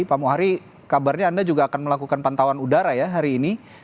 pak muhari kabarnya anda juga akan melakukan pantauan udara ya hari ini